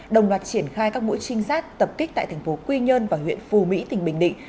đồng loạt triển khai các mũi trinh sát tập kích tại thành phố quy nhơn và huyện phù mỹ tỉnh bình định